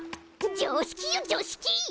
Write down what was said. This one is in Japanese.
常識よ常識！